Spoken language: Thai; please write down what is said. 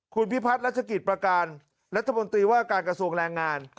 คุณพิพัฒน์รัชกิจประการรัฐมนตรีว่าการกระทรวงแรงงาน